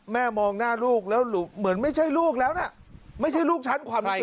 มองหน้าลูกแล้วเหมือนไม่ใช่ลูกแล้วนะไม่ใช่ลูกฉันความจริง